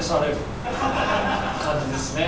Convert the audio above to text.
感じですね